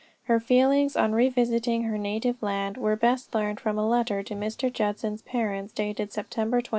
Her feelings on revisiting her native land, are best learned from a letter to Mr. Judson's parents, dated Sept 27.